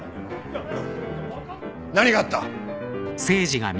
何があった？